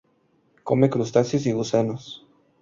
Come crustáceos y gusanos.